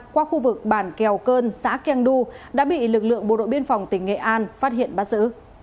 qua khu vực bản kèo cơn xã keng du đã bị lực lượng bộ đội biên phòng tỉnh nghệ an phát hiện bắt giữ